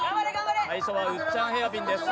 最初はウッチャンヘアピンです。